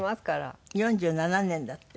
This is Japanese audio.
４７年だって。